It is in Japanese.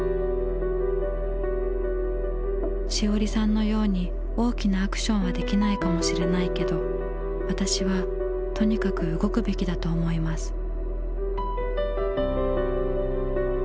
「詩織さんのように大きなアクションはできないかもしれないけど私はとにかく動くべきだと思います」。